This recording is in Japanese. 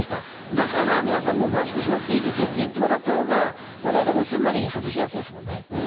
だから皆さん、もうマスクしなくていいですよって言ってもらったほうが、われわれもすんなり外しやすいですもんね。